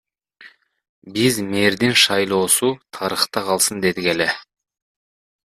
Биз мэрдин шайлоосу тарыхта калсын дедик эле.